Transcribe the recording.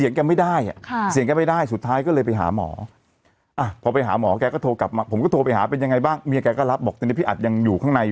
น้องเขามีท่าทางแบบไหนอะไรยังไง